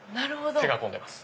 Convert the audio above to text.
手が込んでます。